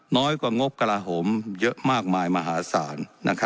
น้อยกว่างบกระลาโหมเยอะมากมายมหาศาล